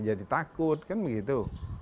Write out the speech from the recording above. jadi takut kan begitu